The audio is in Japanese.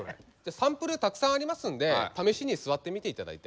サンプルたくさんありますんで試しに座ってみて頂いて。